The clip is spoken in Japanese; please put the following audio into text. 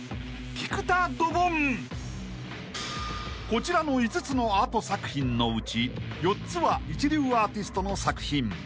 ［こちらの５つのアート作品のうち４つは一流アーティストの作品］